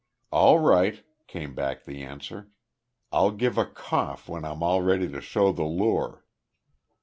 "All right," came back the answer. "I'll give a cough when I'm all ready to show the lure."